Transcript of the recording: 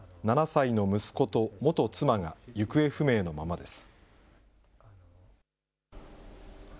７歳の息子と元妻が行方不明のままです。